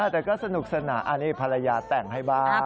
แต่ก็สนุกสนานอันนี้ภรรยาแต่งให้บ้าง